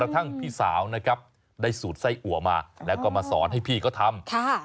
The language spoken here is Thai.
ทั้งพี่สาวนะครับได้สูตรไส้อัวมาแล้วก็มาสอนให้พี่เขาทำ